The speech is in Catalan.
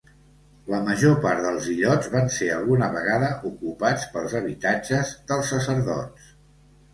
La major part dels illots van ser alguna vegada ocupats pels habitatges dels sacerdots.